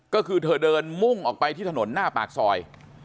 ก็คือเธอเดินมุ่งออกไปที่ถนนหน้าปากซอย